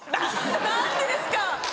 な何でですか！